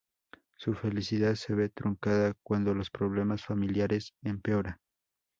Su felicidad se ve truncada cuando los problemas familiares empeoran.